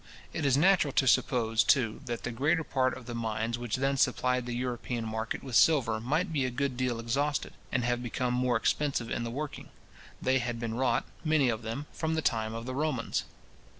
It is natural to suppose, too, that the greater part of the mines which then supplied the European market with silver might be a good deal exhausted, and have become more expensive in the working. They had been wrought, many of them, from the time of the Romans.